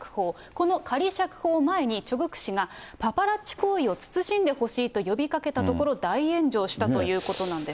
この仮釈放前に、チョ・グク氏が、パパラッチ行為を慎んでほしいと呼びかけたところ、大炎上したということなんです。